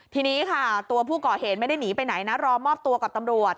ทีนี้ค่ะตัวผู้ก่อเหตุไม่ได้หนีไปไหนนะรอมอบตัวกับตำรวจ